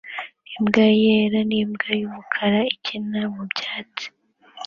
Imbwa yera nimbwa yumukara ikina mubyatsi